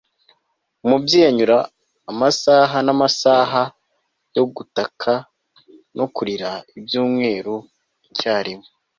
umubyeyi anyura amasaha n'amasaha yo gutaka no kurira ibyumweru icyarimwe